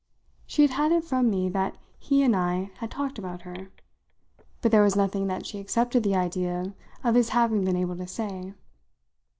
She had had it from me that he and I had talked about her, but there was nothing that she accepted the idea of his having been able to say.